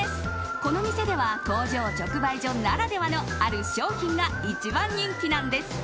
この店では工場直売所ならではのある商品が１番人気なんです。